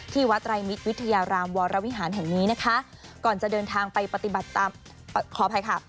ที่วัดรายมิตรวิทยารามวรวิหารแห่งนี้นะคะ